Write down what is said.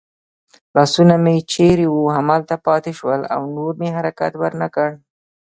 لاسونه مې چېرې وو همالته پاتې شول او نور مې حرکت ور نه کړ.